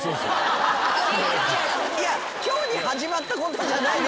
今日に始まったことじゃないです。